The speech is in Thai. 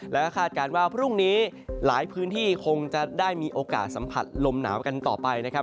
แล้วก็คาดการณ์ว่าพรุ่งนี้หลายพื้นที่คงจะได้มีโอกาสสัมผัสลมหนาวกันต่อไปนะครับ